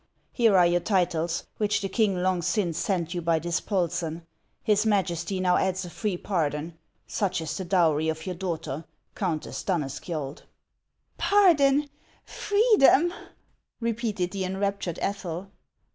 Here are your titles, which the king long since sent you by Dispolseu ; his Majesty now adds a free pardon. Such is the dowry of your daughter, Countess Danneskiold." " Pardon ! freedom !" repeated the enraptured Ethel.